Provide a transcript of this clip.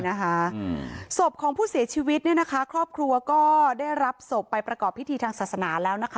นะคะศพของผู้เสียชีวิตเนี่ยนะคะครอบครัวก็ได้รับศพไปประกอบพิธีทางศาสนาแล้วนะคะ